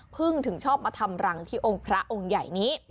ถึงชอบมาทำรังที่องค์พระองค์ใหญ่นี้